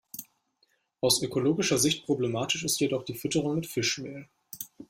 Aus ökologischer Sicht problematisch ist jedoch die Fütterung mit Fischmehl.